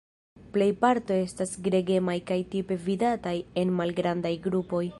Plej parto estas gregemaj kaj tipe vidataj en malgrandaj grupoj.